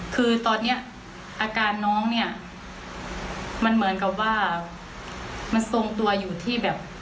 คือตอนนี้อาการน้องเนี่ยมันเหมือนกับว่ามันทรงตัวอยู่ที่แบบ